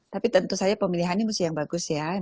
tapi tentu saja pemilihan ini mesti yang bagus ya